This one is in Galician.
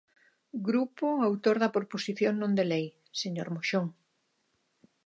Grupo autor da proposición non de lei, señor Moxón.